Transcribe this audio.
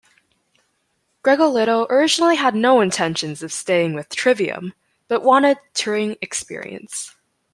Gregoletto originally had no intentions of staying with Trivium, but wanted touring experience.